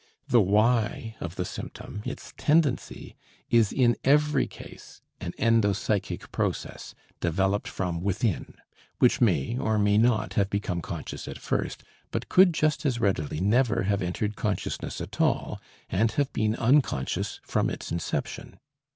The "why" of the symptom, its tendency, is in every case an endopsychic process, developed from within, which may or may not have become conscious at first, but could just as readily never have entered consciousness at all and have been unconscious from its inception.